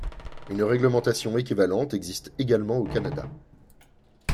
Un réglementation équivalente existe également au Canada.